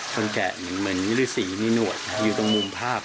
แกะเหมือนฤษีมีหนวดอยู่ตรงมุมภาพ